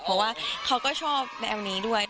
เพราะว่าเขาก็ชอบแนวนี้ด้วย